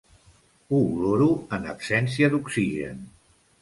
Ho oloro en absència d'oxigen.